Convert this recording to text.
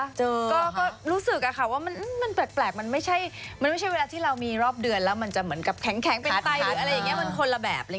เจอก็รู้สึกอะค่ะว่ามันแปลกมันไม่ใช่มันไม่ใช่เวลาที่เรามีรอบเดือนแล้วมันจะเหมือนกับแข็งเป็นไตหรืออะไรอย่างนี้มันคนละแบบเลย